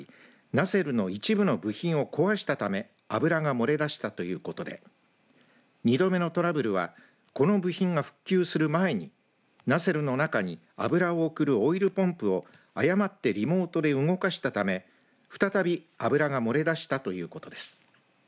ナセルの一部の部品を壊したため油が漏れ出したということで２度目のトラブルはこの部品が復旧する前にナセルの中に油を送るオイルポンプを誤ってリモートで動かしたため再び油が漏れ出したということです。